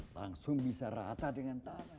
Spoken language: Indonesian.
langsung bisa rata dengan tanah